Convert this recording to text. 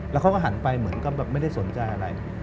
แล้วเขาก็หันไปเหมือนกับแบบไม่ได้สนใจอะไร